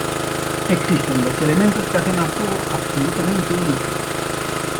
Existen dos elementos que hacen al juego absolutamente único.